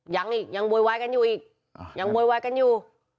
ยังยังโวยวายกันอยู่